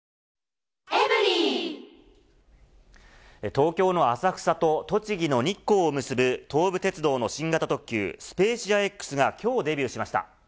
東京の浅草と栃木の日光を結ぶ東武鉄道の新型特急、スペーシアＸがきょうデビューしました。